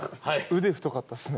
腕太かったっすね。